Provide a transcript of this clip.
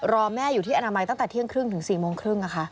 แม่อยู่ที่อนามัยตั้งแต่เที่ยงครึ่งถึง๔โมงครึ่ง